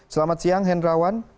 selamat siang hendrawan